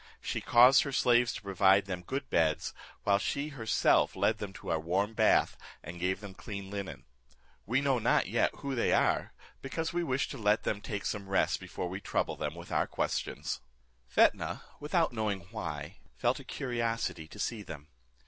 She caused her slaves to provide them good beds, whilst she herself led them to our warm bath, and gave them clean linen. We know not as yet who they are, because we wish to let them take some rest before we trouble them with our questions." Fetnah, without knowing why, felt a curiosity to see them.